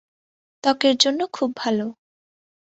ত্বকের জন্য খুব ভাল।